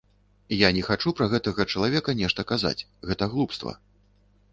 Я не хачу пра гэтага чалавека нешта казаць, гэта глупства.